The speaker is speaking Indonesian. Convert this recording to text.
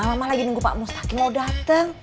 lama lagi nunggu pak mustaqim mau dateng